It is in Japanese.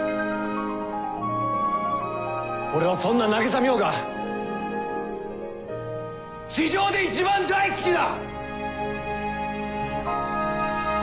俺はそんな渚海音が地上で一番大好きだ！